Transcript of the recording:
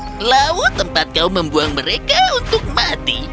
hidup adalah tempatmu yang membuang mereka untuk mati